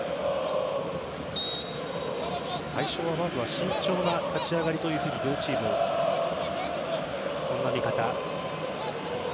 最初はまずは慎重な立ち上がりという両チーム、そんな見方。